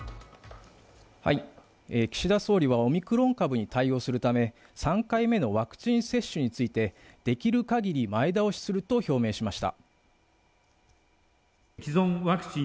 岸田総理はオミクロン株に対応するため、３回目のワクチン接種についてできるかぎり前倒しすると表明しました。